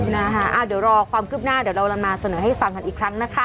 เดี๋ยวรอความคืบหน้าเดี๋ยวเรามาเสนอให้ฟังกันอีกครั้งนะคะ